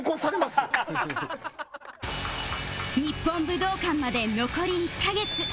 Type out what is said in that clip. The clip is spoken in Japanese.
日本武道館まで残り１カ月